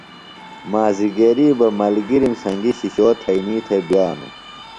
مازِگریۡ بہ ملگِرِم سنگیۡ شِشو تھئینی تھےۡ بِیانوۡ۔